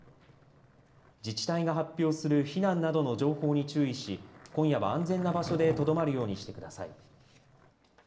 自治体が発表する避難などの情報に注意し今夜は安全な場所でとどまるようにしてください。